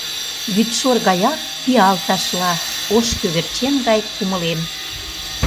Вӱдшор гаяк пиал ташла, ош кӧгӧрчен гай кумылем.